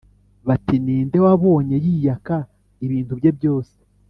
Bati: “Ni nde wabonye yiyaka ibintu bye byose